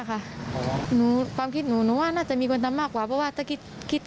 แกเครียด